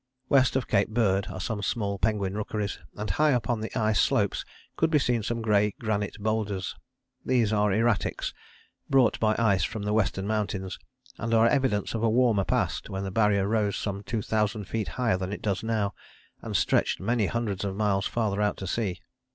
West of Cape Bird are some small penguin rookeries, and high up on the ice slopes could be seen some grey granite boulders. These are erratics, brought by ice from the Western Mountains, and are evidence of a warmer past when the Barrier rose some two thousand feet higher than it does now, and stretched many hundreds of miles farther out to sea.